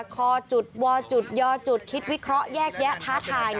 คอจุดวอจุดยอจุดคิดวิเคราะห์แยกแยะท้าทาย